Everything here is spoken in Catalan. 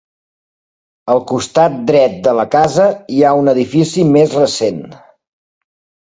Al costat dret de la casa hi ha un edifici més recent.